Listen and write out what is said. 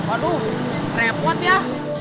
aduh repot ya